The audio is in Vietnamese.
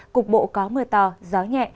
cục bộ có mưa to gió nhẹ